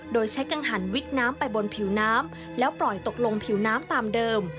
โดยใช้กังหันวิกน้ำไปบนผิวน้ำแล้วปล่อยตกลงผิวน้ำตามเดิม